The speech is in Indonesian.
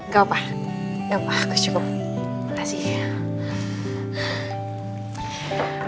gak apa gak apa aku cukup makasih